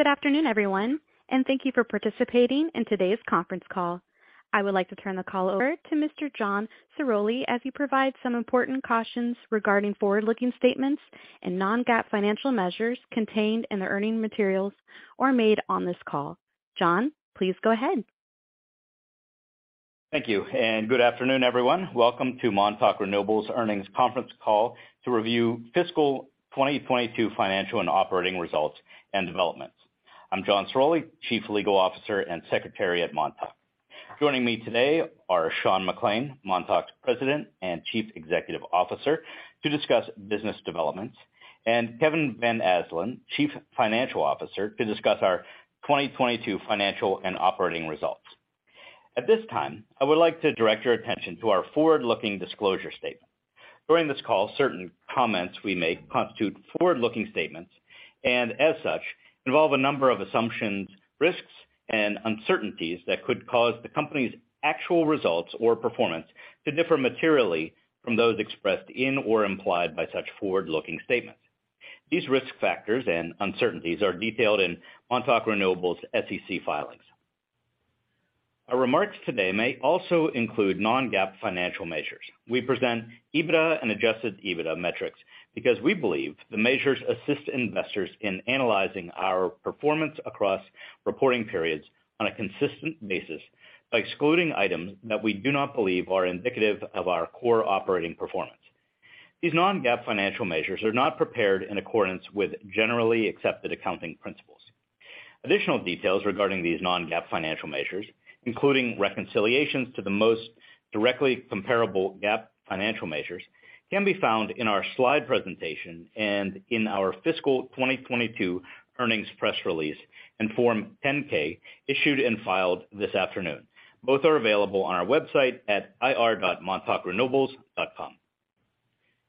Good afternoon, everyone, and thank you for participating in today's conference call. I would like to turn the call over to Mr. John Ciroli as he provides some important cautions regarding forward-looking statements and non-GAAP financial measures contained in the earning materials or made on this call. John, please go ahead. Thank you, and good afternoon, everyone. Welcome to Montauk Renewables earnings conference call to review fiscal 2022 financial and operating results and developments. I'm John Ciroli, Chief Legal Officer and Secretary at Montauk. Joining me today are Sean McClain, Montauk's President and Chief Executive Officer, to discuss business developments, and Kevin Van Asdalan, Chief Financial Officer, to discuss our 2022 financial and operating results. At this time, I would like to direct your attention to our forward-looking disclosure statement. During this call, certain comments we make constitute forward-looking statements, and as such, involve a number of assumptions, risks, and uncertainties that could cause the company's actual results or performance to differ materially from those expressed in or implied by such forward-looking statements. These risk factors and uncertainties are detailed in Montauk Renewables' SEC filings. Our remarks today may also include non-GAAP financial measures. We present EBITDA and adjusted EBITDA metrics because we believe the measures assist investors in analyzing our performance across reporting periods on a consistent basis by excluding items that we do not believe are indicative of our core operating performance. These non-GAAP financial measures are not prepared in accordance with generally accepted accounting principles. Additional details regarding these non-GAAP financial measures, including reconciliations to the most directly comparable GAAP financial measures, can be found in our slide presentation and in our fiscal 2022 earnings press release and Form 10-K issued and filed this afternoon. Both are available on our website at ir.montaukrenewables.com.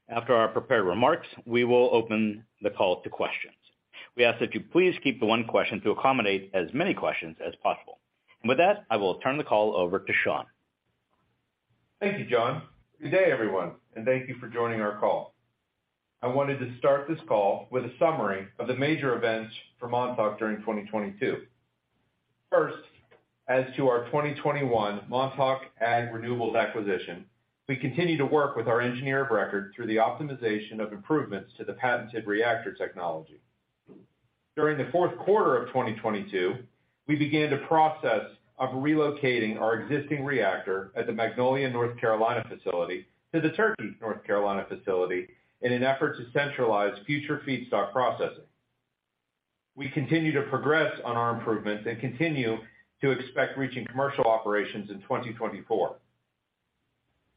After our prepared remarks, we will open the call to questions. We ask that you please keep to one question to accommodate as many questions as possible. With that, I will turn the call over to Sean. Thank you, John. Good day, everyone, and thank you for joining our call. I wanted to start this call with a summary of the major events for Montauk during 2022. First, as to our 2021 Montauk Ag Renewables acquisition, we continue to work with our engineer of record through the optimization of improvements to the patented reactor technology. During the fourth quarter of 2022, we began the process of relocating our existing reactor at the Magnolia, North Carolina facility to the Turkey, North Carolina facility in an effort to centralize future feedstock processing. We continue to progress on our improvements and continue to expect reaching commercial operations in 2024.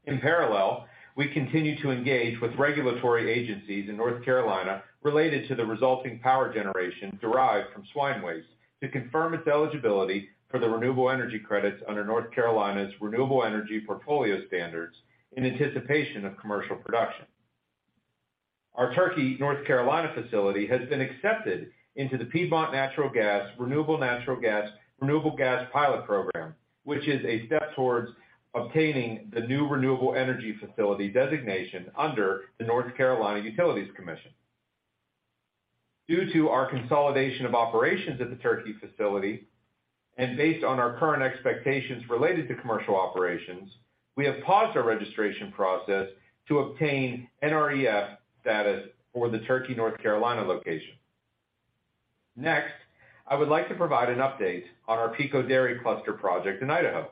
In parallel, we continue to engage with regulatory agencies in North Carolina related to the resulting power generation derived from swine waste to confirm its eligibility for the renewable energy credits under North Carolina's renewable energy portfolio standards in anticipation of commercial production. Our Turkey, North Carolina facility has been accepted into the Piedmont Natural Gas Renewable Natural Gas Renewable Gas Pilot Program, which is a step towards obtaining the new renewable energy facility designation under the North Carolina Utilities Commission. Due to our consolidation of operations at the Turkey facility and based on our current expectations related to commercial operations, we have paused our registration process to obtain NREF status for the Turkey, North Carolina location. Next, I would like to provide an update on our Pico Dairy Cluster project in Idaho.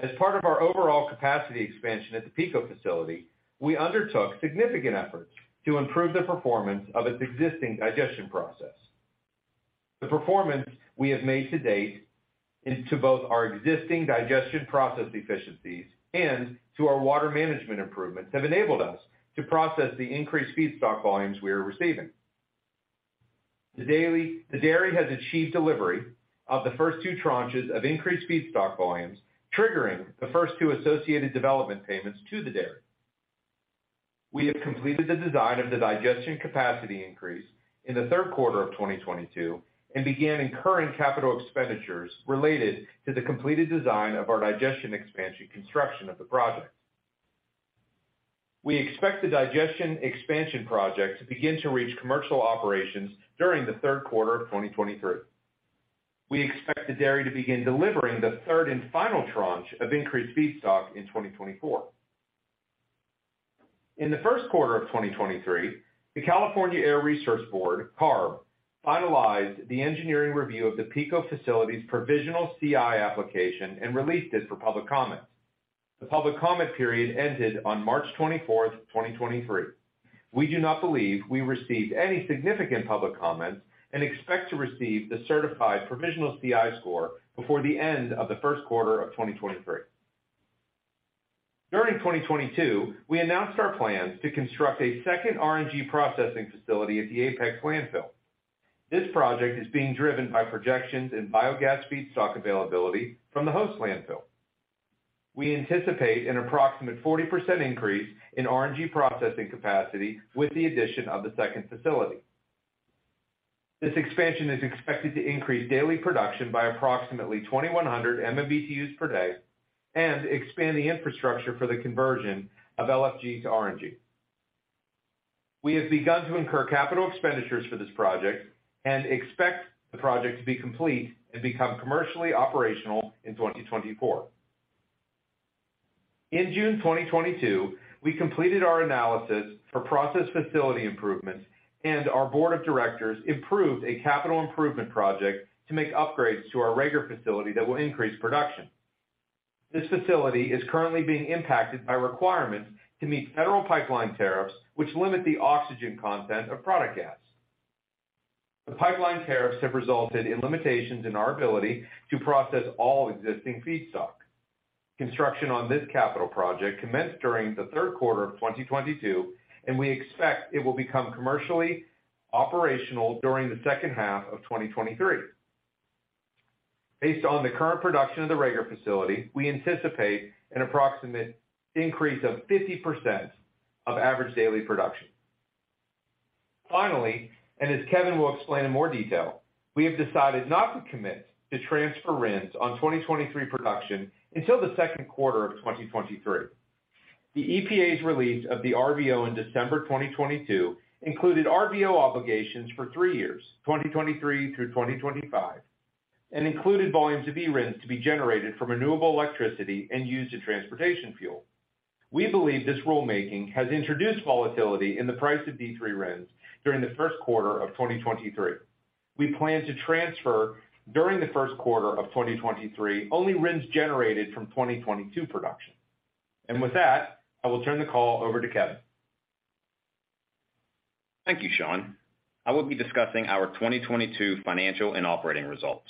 As part of our overall capacity expansion at the Pico facility, we undertook significant efforts to improve the performance of its existing digestion process. The performance we have made to date into both our existing digestion process efficiencies and to our water management improvements have enabled us to process the increased feedstock volumes we are receiving. The dairy has achieved delivery of the first two tranches of increased feedstock volumes, triggering the first two associated development payments to the dairy. We have completed the design of the digestion capacity increase in the third quarter of 2022 and began incurring capital expenditures related to the completed design of our digestion expansion construction of the project. We expect the digestion expansion project to begin to reach commercial operations during the third quarter of 2023. We expect the dairy to begin delivering the third and final tranche of increased feedstock in 2024. In the first quarter of 2023, the California Air Resources Board, CARB, finalized the engineering review of the Pico facility's provisional CI application and released it for public comment. The public comment period ended on March 24th, 2023. We do not believe we received any significant public comment and expect to receive the certified provisional CI score before the end of the first quarter of 2023. During 2022, we announced our plans to construct a second RNG processing facility at the Apex landfill. This project is being driven by projections in biogas feedstock availability from the host landfill. We anticipate an approximate 40% increase in RNG processing capacity with the addition of the second facility. This expansion is expected to increase daily production by approximately 2,100 MMBtus per day and expand the infrastructure for the conversion of LFG to RNG. We have begun to incur capital expenditures for this project and expect the project to be complete and become commercially operational in 2024. In June 2022, we completed our analysis for process facility improvements. Our board of directors improved a capital improvement project to make upgrades to our Raeger facility that will increase production. This facility is currently being impacted by requirements to meet federal pipeline tariffs, which limit the oxygen content of product gas. The pipeline tariffs have resulted in limitations in our ability to process all existing feedstock. Construction on this capital project commenced during the third quarter of 2022. We expect it will become commercially operational during the second half of 2023. Based on the current production of the Raeger facility, we anticipate an approximate increase of 50% of average daily production. Finally, as Kevin will explain in more detail, we have decided not to commit to transfer RINs on 2023 production until the second quarter of 2023. The EPA's release of the RVO in December 2022 included RVO obligations for three years, 2023-2025, and included volumes of eRINs to be generated from renewable electricity and used in transportation fuel. We believe this rulemaking has introduced volatility in the price of D3 RINs during the first quarter of 2023. We plan to transfer during the first quarter of 2023 only RINs generated from 2022 production. With that, I will turn the call over to Kevin. Thank you, Sean. I will be discussing our 2022 financial and operating results.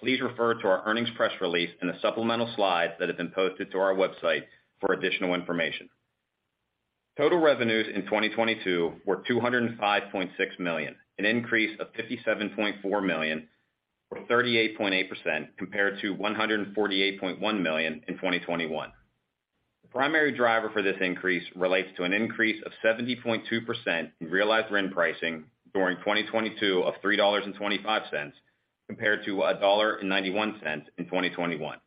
Please refer to our earnings press release and the supplemental slides that have been posted to our website for additional information. Total revenues in 2022 were $205.6 million, an increase of $57.4 million, or 38.8% compared to $148.1 million in 2021. The primary driver for this increase relates to an increase of 70.2% in realized RIN pricing during 2022 of $3.25, compared to $1.91 in 2021.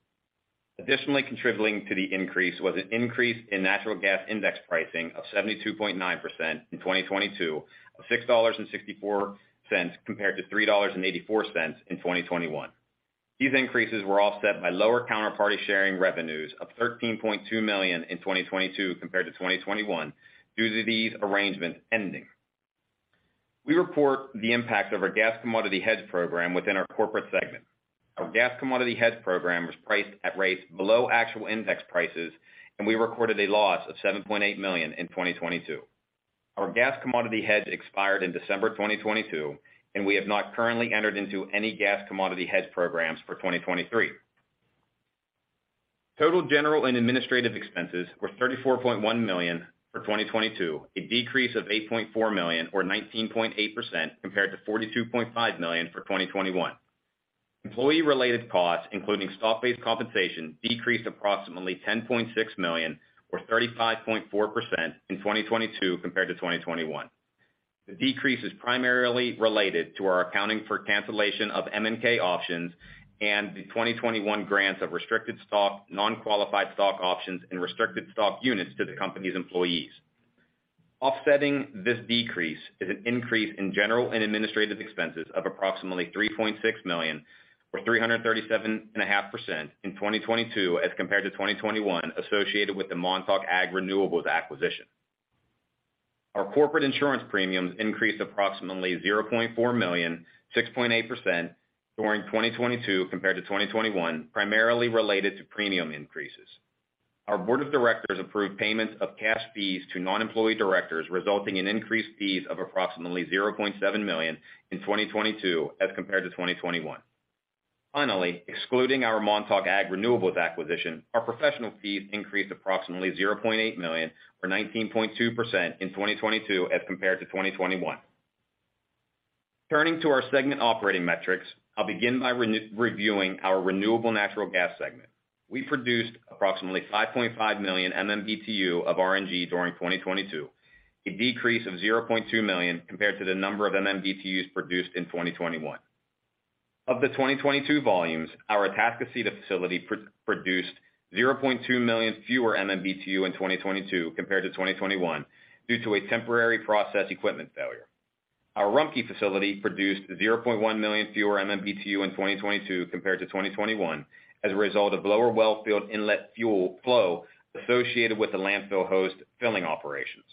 Additionally, contributing to the increase was an increase in natural gas index pricing of 72.9% in 2022 of $6.64 compared to $3.84 in 2021. These increases were offset by lower counterparty sharing revenues of $13.2 million in 2022 compared to 2021 due to these arrangements ending. We report the impact of our gas commodity hedge program within our corporate segment. Our gas commodity hedge program was priced at rates below actual index prices. We recorded a loss of $7.8 million in 2022. Our gas commodity hedge expired in December 2022. We have not currently entered into any gas commodity hedge programs for 2023. Total general and administrative expenses were $34.1 million for 2022, a decrease of $8.4 million or 19.8% compared to $42.5 million for 2021. Employee-related costs, including stock-based compensation, decreased approximately $10.6 million or 35.4% in 2022 compared to 2021. The decrease is primarily related to our accounting for cancellation of M&K options and the 2021 grants of restricted stock, non-qualified stock options, and restricted stock units to the company's employees. Offsetting this decrease is an increase in general and administrative expenses of approximately $3.6 million or 337.5% in 2022 as compared to 2021 associated with the Montauk Ag Renewables acquisition. Our corporate insurance premiums increased approximately $0.4 million, 6.8% during 2022 compared to 2021, primarily related to premium increases. Our board of directors approved payments of cash fees to non-employee directors, resulting in increased fees of approximately $0.7 million in 2022 as compared to 2021. Finally, excluding our Montauk Ag Renewables acquisition, our professional fees increased approximately $0.8 million or 19.2% in 2022 as compared to 2021. Turning to our segment operating metrics, I'll begin by reviewing our renewable natural gas segment. We produced approximately 5.5 million MMBtu of RNG during 2022, a decrease of 0.2 million compared to the number of MMBtus produced in 2021. Of the 2022 volumes, our Atascocita facility produced 0.2 million fewer MMBtu in 2022 compared to 2021 due to a temporary process equipment failure. Our Rumpke facility produced 0.1 million fewer MMBtu in 2022 compared to 2021 as a result of lower well field inlet fuel flow associated with the landfill host filling operations.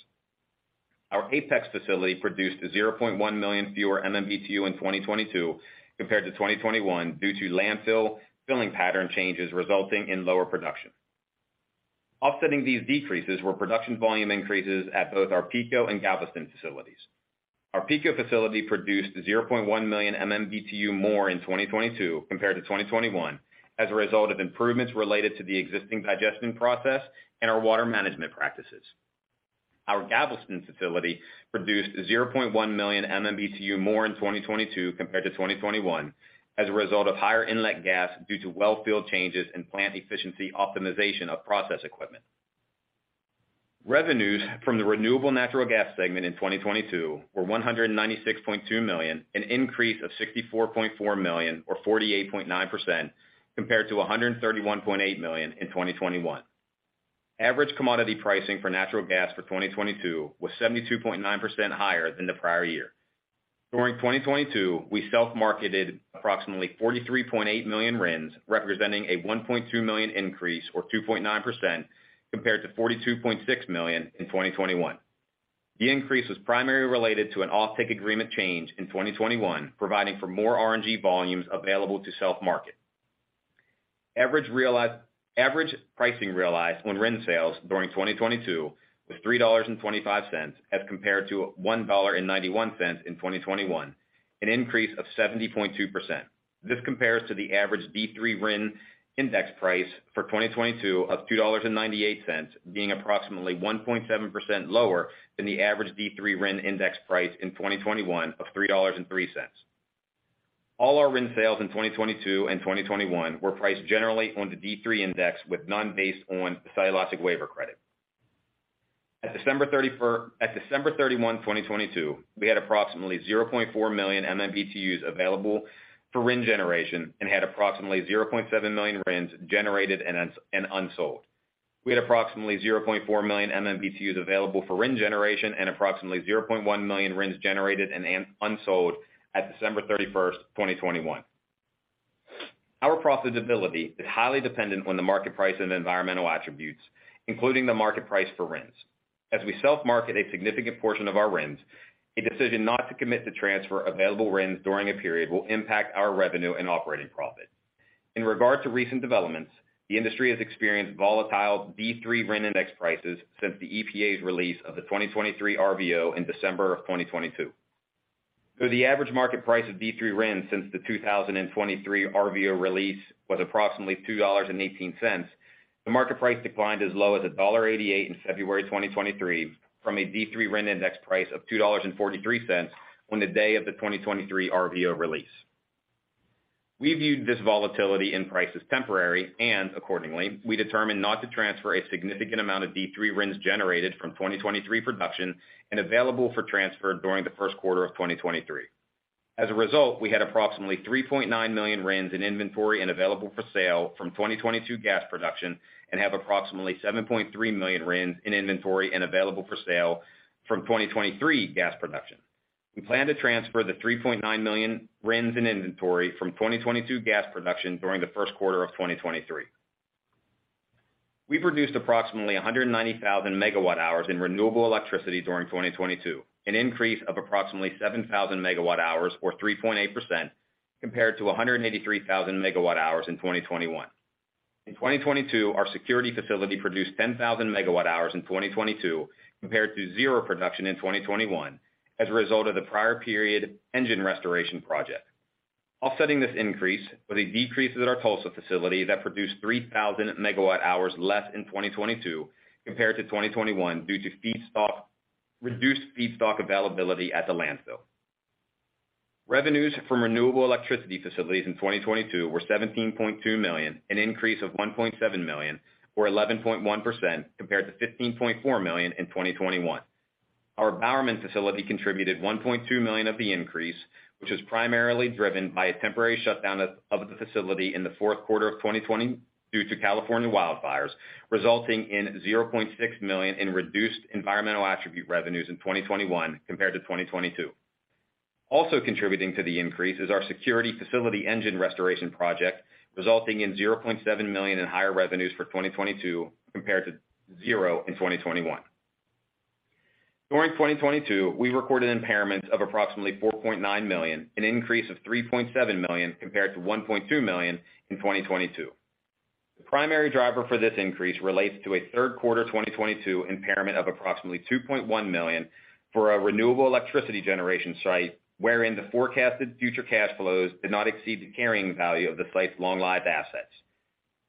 Our Apex facility produced 0.1 million fewer MMBtu in 2022 compared to 2021 due to landfill filling pattern changes resulting in lower production. Offsetting these decreases were production volume increases at both our Pico and Galveston facilities. Our Pico facility produced 0.1 million MMBtu more in 2022 compared to 2021 as a result of improvements related to the existing digestion process and our water management practices. Our Galveston facility produced 0.1 million MMBtu more in 2022 compared to 2021 as a result of higher inlet gas due to well field changes and plant efficiency optimization of process equipment. Revenues from the renewable natural gas segment in 2022 were $196.2 million, an increase of $64.4 million or 48.9% compared to $131.8 million in 2021. Average commodity pricing for natural gas for 2022 was 72.9% higher than the prior year. During 2022, we self-marketed approximately 43.8 million RINs, representing a 1.2 million increase, or 2.9% compared to 42.6 million in 2021. The increase was primarily related to an offtake agreement change in 2021, providing for more RNG volumes available to self-market. Average pricing realized on RIN sales during 2022 was $3.25 as compared to $1.91 in 2021, an increase of 70.2%. This compares to the average D3 RIN index price for 2022 of $2.98, being approximately 1.7% lower than the average D3 RIN index price in 2021 of $3.03. All our RIN sales in 2022 and 2021 were priced generally on the D3 index, with none based on cellulosic waiver credit. At December 31, 2022, we had approximately 0.4 million MMBtus available for RIN generation and had approximately 0.7 million RINS generated and unsold. We had approximately 0.4 million MMBtus available for RIN generation and approximately 0.1 million RINS generated and unsold at December 31, 2021. Our profitability is highly dependent on the market price and environmental attributes, including the market price for RINS. As we self-market a significant portion of our RINs, a decision not to commit to transfer available RINs during a period will impact our revenue and operating profit. In regard to recent developments, the industry has experienced volatile D3 RIN index prices since the EPA's release of the 2023 RVO in December of 2022. The average market price of D3 RIN since the 2023 RVO release was approximately $2.18, the market price declined as low as $1.88 in February 2023 from a D3 RIN index price of $2.43 on the day of the 2023 RVO release. We viewed this volatility in price as temporary and accordingly, we determined not to transfer a significant amount of D3 RINs generated from 2023 production and available for transfer during the first quarter of 2023. As a result, we had approximately 3.9 million RINs in inventory and available for sale from 2022 gas production and have approximately 7.3 million RINs in inventory and available for sale from 2023 gas production. We plan to transfer the 3.9 million RINs in inventory from 2022 gas production during the first quarter of 2023. We produced approximately 190,000 MWh in renewable electricity during 2022, an increase of approximately 7,000 MWh or 3.8% compared to 183,000 MWh in 2021. In 2022, our Security facility produced 10,000 MWh in 2022 compared to 0 production in 2021 as a result of the prior period engine restoration project. Offsetting this increase were the decreases at our Tulsa facility that produced 3,000 MWh less in 2022 compared to 2021 due to reduced feedstock availability at the landfill. Revenues from renewable electricity facilities in 2022 were $17.2 million, an increase of $1.7 million or 11.1% compared to $15.4 million in 2021. Our Bowerman facility contributed $1.2 million of the increase, which was primarily driven by a temporary shutdown of the facility in the fourth quarter of 2020 due to California wildfires, resulting in $0.6 million in reduced environmental attribute revenues in 2021 compared to 2022. Also contributing to the increase is our Security facility engine restoration project, resulting in $0.7 million in higher revenues for 2022 compared to $0 in 2021. During 2022, we recorded impairments of approximately $4.9 million, an increase of $3.7 million compared to $1.2 million in 2022. The primary driver for this increase relates to a third quarter 2022 impairment of approximately $2.1 million for our renewable electricity generation site, wherein the forecasted future cash flows did not exceed the carrying value of the site's long-lived assets.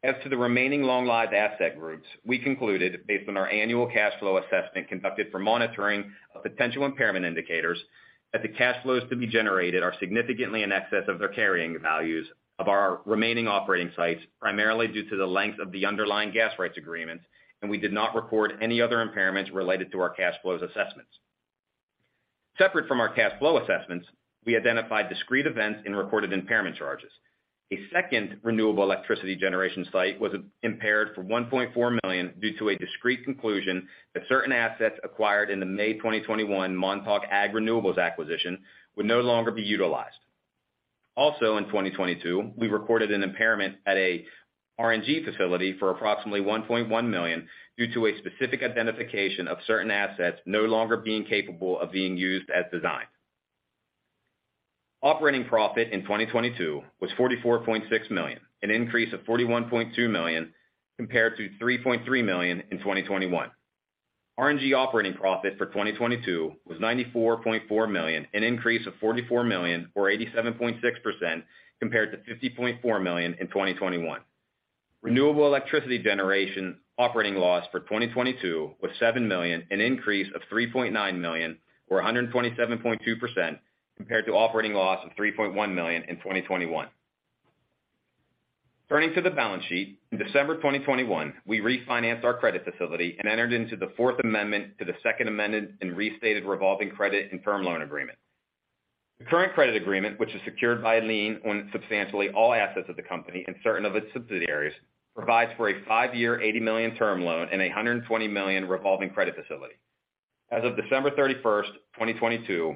As to the remaining long-lived asset groups, we concluded, based on our annual cash flow assessment conducted for monitoring of potential impairment indicators, that the cash flows to be generated are significantly in excess of their carrying values of our remaining operating sites, primarily due to the length of the underlying gas rights agreements. We did not record any other impairments related to our cash flows assessments. Separate from our cash flow assessments, we identified discrete events in reported impairment charges. A second renewable electricity generation site was impaired for $1.4 million due to a discrete conclusion that certain assets acquired in the May 2021 Montauk Ag Renewables acquisition would no longer be utilized. Also in 2022, we recorded an impairment at a RNG facility for approximately $1.1 million due to a specific identification of certain assets no longer being capable of being used as designed. Operating profit in 2022 was $44.6 million, an increase of $41.2 million compared to $3.3 million in 2021. RNG operating profit for 2022 was $94.4 million, an increase of $44 million or 87.6% compared to $50.4 million in 2021. Renewable electricity generation operating loss for 2022 was $7 million, an increase of $3.9 million or 127.2% compared to operating loss of $3.1 million in 2021. Turning to the balance sheet, in December 2021, we refinanced our credit facility and entered into the fourth amendment to the second amended and restated revolving credit and term loan agreement. The current credit agreement, which is secured by a lien on substantially all assets of the company and certain of its subsidiaries, provides for a five-year $80 million term loan and a $120 million revolving credit facility. As of December 31st, 2022,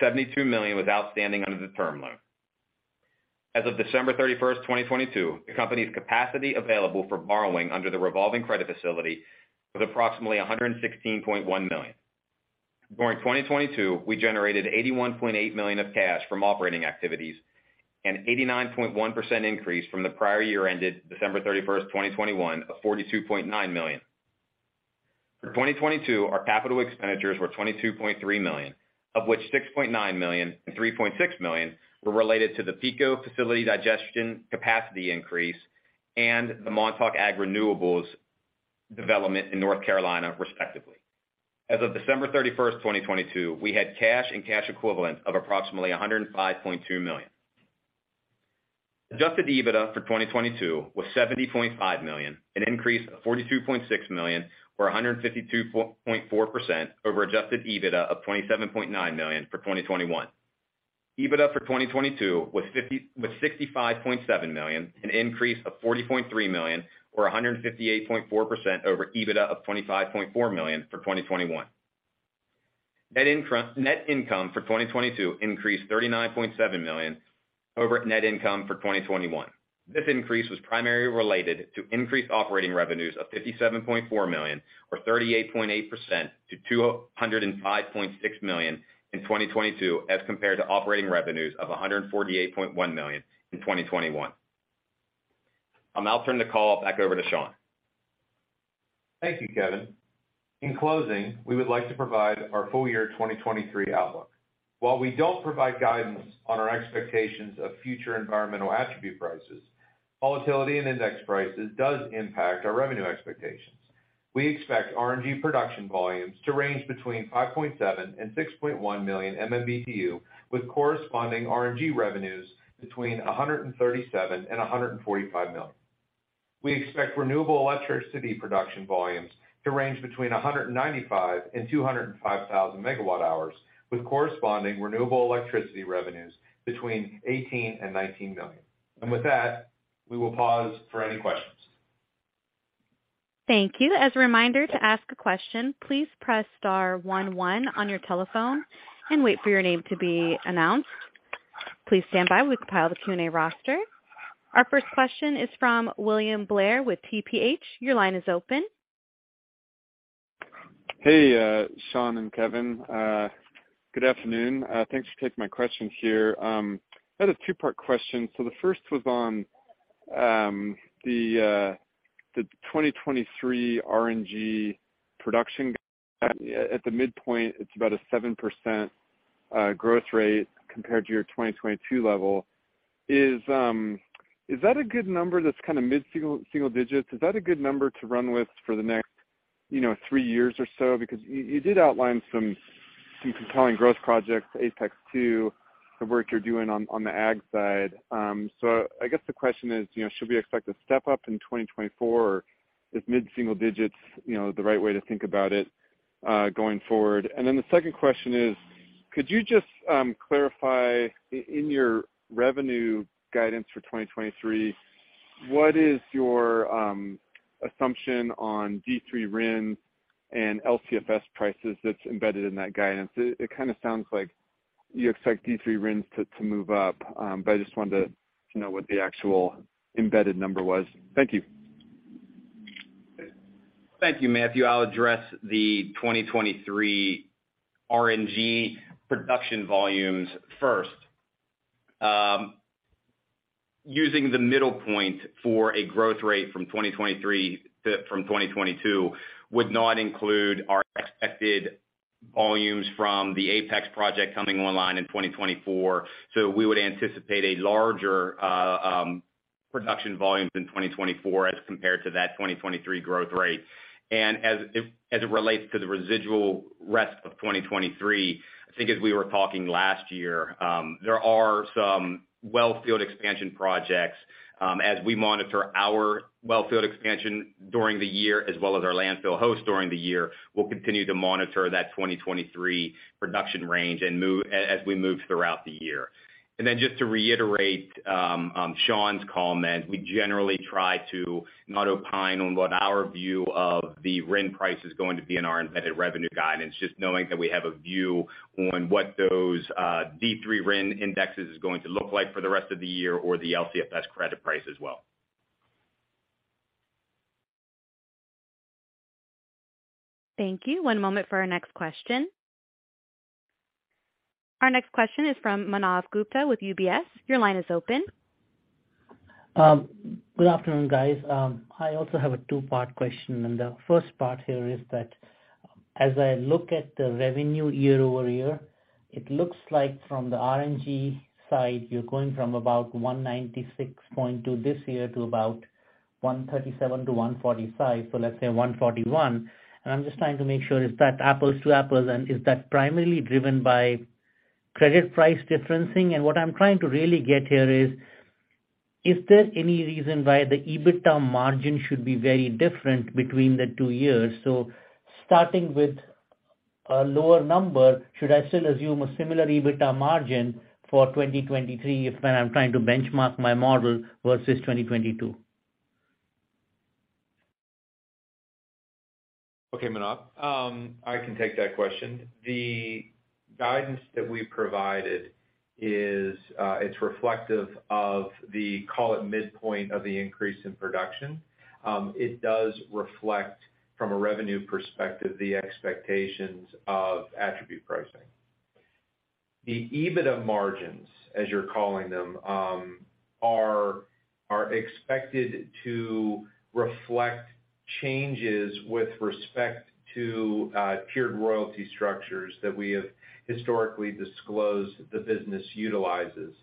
$72 million was outstanding under the term loan. As of December 31st, 2022, the company's capacity available for borrowing under the revolving credit facility was approximately $116.1 million. During 2022, we generated $81.8 million of cash from operating activities, an 89.1% increase from the prior year ended December 31, 2021, of $42.9 million. For 2022, our capital expenditures were $22.3 million, of which $6.9 million and $3.6 million were related to the Pico facility digestion capacity increase and the Montauk Ag Renewables development in North Carolina, respectively. As of December 31st, 2022, we had cash and cash equivalents of approximately $105.2 million. Adjusted EBITDA for 2022 was $70.5 million, an increase of $42.6 million or 152.4% over adjusted EBITDA of $27.9 million for 2021. EBITDA for 2022 was $65.7 million, an increase of $40.3 million or 158.4% over EBITDA of $25.4 million for 2021. Net income for 2022 increased $39.7 million over net income for 2021. This increase was primarily related to increased operating revenues of $57.4 million or 38.8% to $205.6 million in 2022 as compared to operating revenues of $148.1 million in 2021. I'll now turn the call back over to Sean. Thank you, Kevin. In closing, we would like to provide our full year 2023 outlook. While we don't provide guidance on our expectations of future environmental attribute prices, volatility in index prices does impact our revenue expectations. We expect RNG production volumes to range between 5.7 million-6.1 million MMBtu, with corresponding RNG revenues between $137 million-$145 million. We expect renewable electricity production volumes to range between 195,000 MWh-205,000 MWh with corresponding renewable electricity revenues between $18 million-$19 million. With that, we will pause for any questions. Thank you. As a reminder to ask a question, please press star one one on your telephone and wait for your name to be announced. Please stand by. We compile the Q&A roster. Our first question is from William Blair with TPH. Your line is open. Hey, Sean and Kevin. Good afternoon. Thanks for taking my question here. I had a two-part question. The first was on the 2023 RNG production. At the midpoint, it's about a 7% growth rate compared to your 2022 level. Is that a good number that's kind of mid-single digits? Is that a good number to run with for the next, you know, three years or so? Because you did outline some compelling growth projects, Apex 2, the work you're doing on the ag side. I guess the question is, you know, should we expect a step up in 2024 or is mid-single digits, you know, the right way to think about it going forward? The second question is, could you just clarify in your revenue guidance for 2023, what is your assumption on D3 RIN and LCFS prices that's embedded in that guidance? It kind of sounds like you expect D3 RINs to move up. I just wanted to know what the actual embedded number was. Thank you. Thank you, Matthew. I'll address the 2023 RNG production volumes first. Using the middle point for a growth rate from 2023 from 2022 would not include our expected volumes from the Apex project coming online in 2024. We would anticipate a larger production volume in 2024 as compared to that 2023 growth rate. As it relates to the residual rest of 2023, I think as we were talking last year, there are some well field expansion projects, as we monitor our well field expansion during the year as well as our landfill host during the year. We'll continue to monitor that 2023 production range as we move throughout the year. Just to reiterate, Sean's comment, we generally try to not opine on what our view of the RIN price is going to be in our embedded revenue guidance, just knowing that we have a view on what those D3 RIN indexes is going to look like for the rest of the year or the LCFS credit price as well. Thank you. One moment for our next question. Our next question is from Manav Gupta with UBS. Your line is open. Good afternoon, guys. I also have a two-part question, the first part here is that as I look at the revenue year-over-year, it looks like from the RNG side, you're going from about $196. to this year to about $137-$145, so let's say $141. I'm just trying to make sure if that's apples to apples, is that primarily driven by credit price differencing? What I'm trying to really get here is there any reason why the EBITDA margin should be very different between the two years? Starting with a lower number, should I still assume a similar EBITDA margin for 2023 if when I'm trying to benchmark my model versus 2022? Okay, Manav. I can take that question. The guidance that we provided is, it's reflective of the, call it, midpoint of the increase in production. It does reflect from a revenue perspective, the expectations of attribute pricing. The EBITDA margins, as you're calling them, are expected to reflect changes with respect to, tiered royalty structures that we have historically disclosed the business utilizes.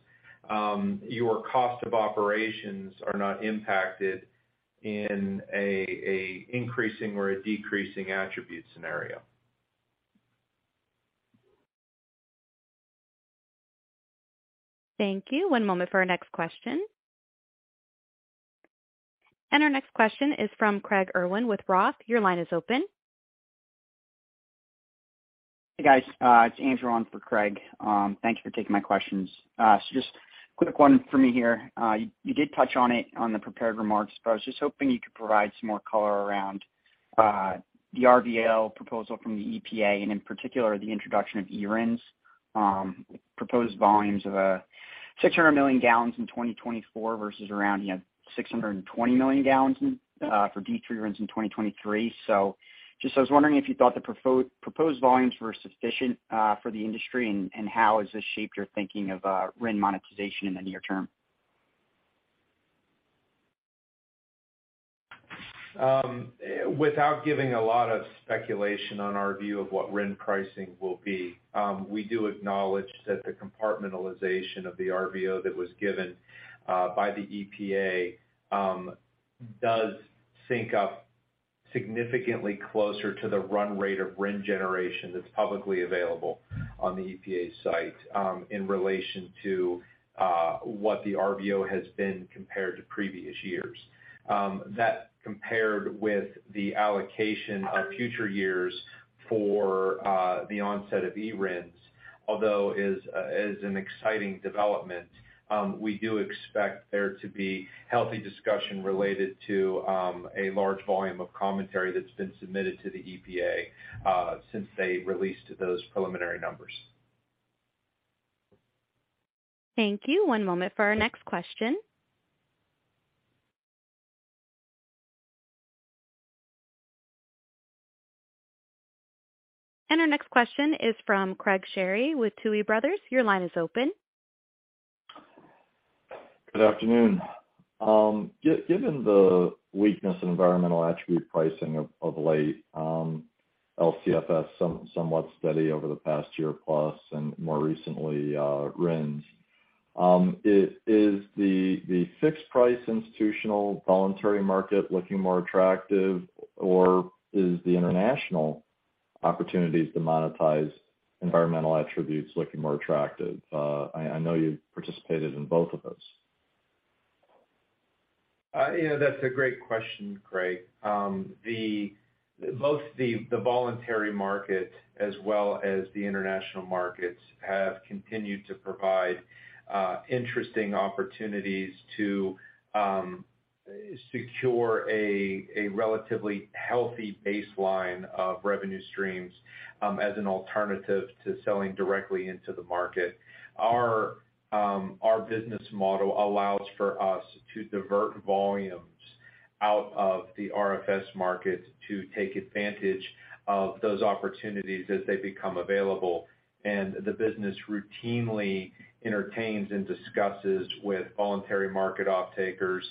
Your cost of operations are not impacted in a increasing or a decreasing attribute scenario. Thank you. One moment for our next question. Our next question is from Craig Irwin with Roth. Your line is open. Hey, guys. It's Andrew on for Craig. Thank you for taking my questions. Just quick one for me here. You did touch on it on the prepared remarks, but I was just hoping you could provide some more color around the RVO proposal from the EPA and in particular the introduction of eRINs. Proposed volumes of 600 million gallons in 2024 versus around, you know, 620 million gallons for D3 RINs in 2023. Just I was wondering if you thought the proposed volumes were sufficient for the industry and how has this shaped your thinking of RIN monetization in the near term. Without giving a lot of speculation on our view of what RIN pricing will be, we do acknowledge that the compartmentalization of the RVO that was given by the EPA, does sync up significantly closer to the run rate of RIN generation that's publicly available on the EPA site, in relation to what the RVO has been compared to previous years. That compared with the allocation of future years for the onset of eRINs. Although is an exciting development, we do expect there to be healthy discussion related to a large volume of commentary that's been submitted to the EPA since they released those preliminary numbers. Thank you. One moment for our next question. Our next question is from Craig Shere with Tuohy Brothers. Your line is open. Good afternoon. Given the weakness in environmental attribute pricing of late, LCFS somewhat steady over the past year plus and more recently, RINs, is the fixed price institutional voluntary market looking more attractive or is the international opportunities to monetize environmental attributes looking more attractive? I know you participated in both of those. Yeah, that's a great question, Craig. Most of the voluntary market as well as the international markets have continued to provide interesting opportunities to secure a relatively healthy baseline of revenue streams as an alternative to selling directly into the market. Our business model allows for us to divert volumes out of the RFS market to take advantage of those opportunities as they become available. The business routinely entertains and discusses with voluntary market offtakers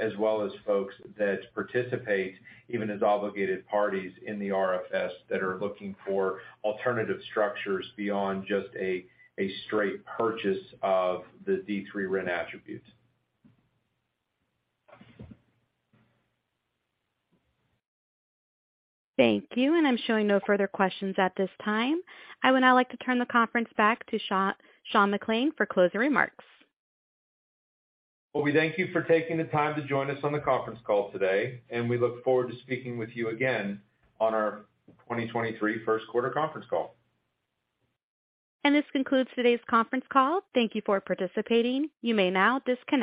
as well as folks that participate even as obligated parties in the RFS that are looking for alternative structures beyond just a straight purchase of the D3 RIN attributes. Thank you. I'm showing no further questions at this time. I would now like to turn the conference back to Sean McClain for closing remarks. Well, we thank you for taking the time to join us on the conference call today, and we look forward to speaking with you again on our 2023 first quarter conference call. This concludes today's conference call. Thank you for participating. You may now disconnect.